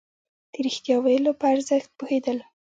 د رښتيا ويلو په ارزښت پوهېدل.